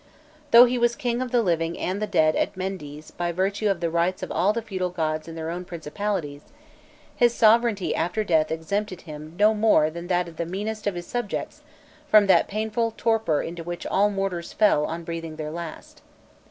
Though he was king of the living and the dead at Mendes by virtue of the rights of all the feudal gods in their own principalities, his sovereignty after death exempted him no more than the meanest of his subjects from that painful torpor into which all mortals fell on breathing their last.